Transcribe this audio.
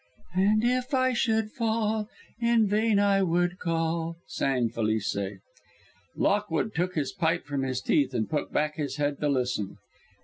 "And if I should fall, In vain I would call," sang Felice. Lockwood took his pipe from his teeth and put back his head to listen.